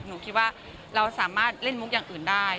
หนูคิดว่าเราสามารถเล่นมุกอย่างอื่นได้